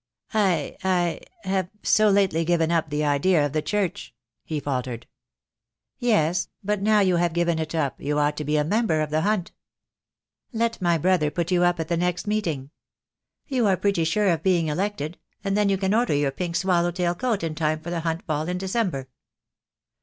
"I — I — have so lately given up the idea of the Church," he faltered. "Yes, but now you have given it up, you ought to be a member of the Hunt. Let my brother put you up at the next meeting. You are pretty sure of being elected, and then you can order your pink swallow tail coat in time for the Hunt Ball in December."